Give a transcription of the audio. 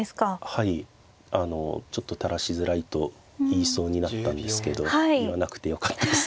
はいあのちょっと垂らしづらいと言いそうになったんですけど言わなくてよかったです。